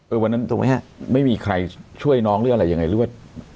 วันนั้นถูกไหมฮะไม่มีใครช่วยน้องหรืออะไรยังไงหรือว่า